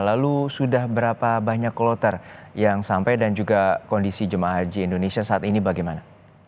lalu sudah berapa banyak kloter yang sampai dan juga kondisi jemaah haji indonesia saat ini bagaimana